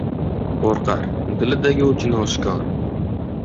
Qoʻrqar: dilidagi oʻchini oshkor